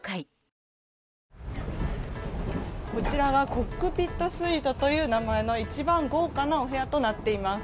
コックピットスイートという名前の一番豪華なお部屋となっています。